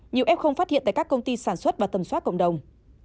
nhiều f phát hiện tại các công ty sản xuất và tầm soát cộng đồng